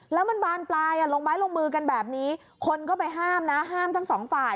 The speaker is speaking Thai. แล้วมันบานปลายลงไม้ลงมือกันแบบนี้คนก็ไปห้ามนะห้ามทั้งสองฝ่าย